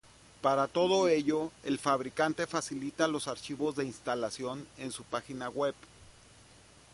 Para todo ello, el fabricante facilita los archivos de instalación en su página web.